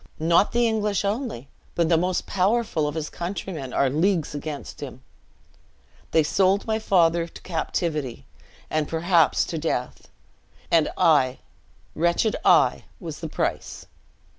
Not the English only, but the most powerful of his countrymen are leagues against him. They sold my father to captivity, and, perhaps, to death; and I, wretched I, was the price.